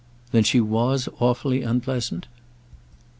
"Then she was awfully unpleasant?"